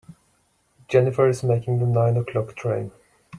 Jennifer is making the nine o'clock train.